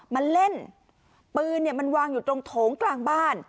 มันเล่นปืนเนี่ยมันวางอยู่ตรงโถงกลางบ้าน